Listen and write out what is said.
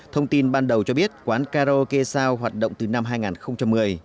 thông tin ban đầu cho biết quán karaoke sao hoạt động từ năm hai nghìn một mươi